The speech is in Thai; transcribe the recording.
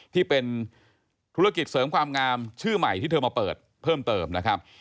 ที่เป็นธุรกิจเสริมความงามชื่อใหม่ที่เธอมาเปิดเพิ่มเติมนะครับ